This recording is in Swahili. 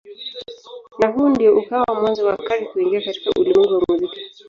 Na huu ndio ukawa mwanzo wa Carey kuingia katika ulimwengu wa muziki.